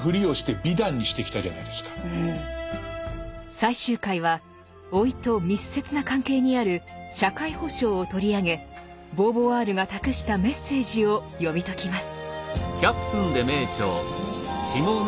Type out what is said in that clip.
最終回は老いと密接な関係にある「社会保障」を取り上げボーヴォワールが託したメッセージを読み解きます。